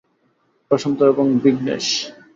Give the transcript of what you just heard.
প্রশান্ত এবং বিঘ্নেশ।